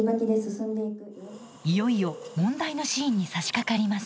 いよいよ問題のシーンにさしかかります。